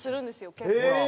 結構。